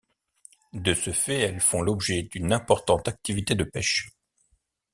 De ce fait, elles font l'objet d'une importante activité de pêche.